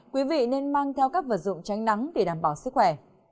quý vị nên mang theo các vật dụng tránh nắng để đảm bảo sức khỏe